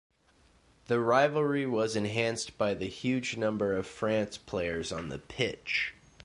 The rivalry was enhanced by the huge number of France players on the pitch.